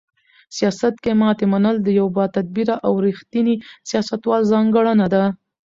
سیاست کې ماتې منل د یو باتدبیره او رښتیني سیاستوال ځانګړنه ده.